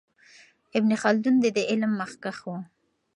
ابن خلدون د دې علم مخکښ و.